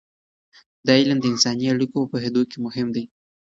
دا علم د انساني اړیکو په پوهیدو کې مهم دی.